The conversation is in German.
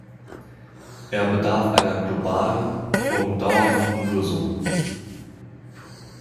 Er bedarf einer globalen und dauerhaften Lösung.